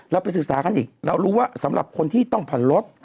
ไปศึกษากันอีกเรารู้ว่าสำหรับคนที่ต้องผ่อนรถ